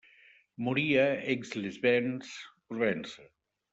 Morí a Aix-les-Bains, Provença.